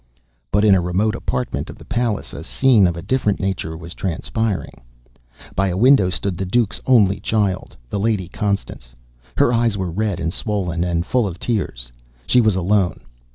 But in a remote apartment of the palace a scene of a different nature was, transpiring. By a window stood the Duke's only child, the Lady Constance. Her eyes were red and swollen, and full of tears. She was alone.